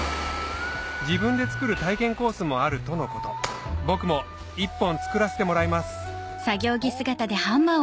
自分で作る体験コースもあるとのこと僕も１本作らせてもらいますはぁ！